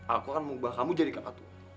aku kan mau ubah kamu jadi kakak tua